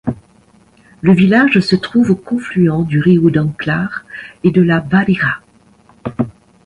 Le village se trouve au confluent du riu d'Enclar et de la Valira.